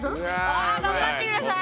わ頑張ってください。